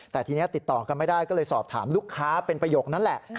แต่ทีนี้ติดต่อกันไม่ได้ก็เลยสอบถามลูกค้าเป็นประโยคนั้นแหละ